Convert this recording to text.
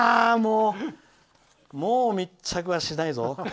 もう密着はしないぞ！